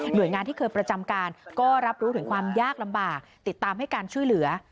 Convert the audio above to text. โดยงานที่เคยประจำการก็รับรู้ถึงความยากลำบากติดตามให้การช่วยเหลือ